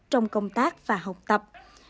trong công tác và học tập